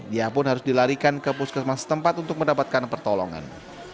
dia pun harus dilarikan ke puskesmas tempat untuk mendapatkan pertolongan